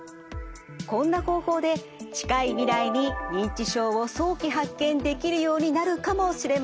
こんな方法で近い未来に認知症を早期発見できるようになるかもしれません。